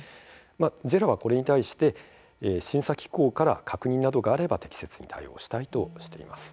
ＪＥＲＡはこれに対し審査機構から確認などがあれば適切に対応したいとしています。